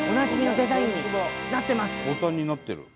ボタンになってる。